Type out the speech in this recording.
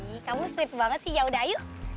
ih kamu sweet banget sih yaudah ayo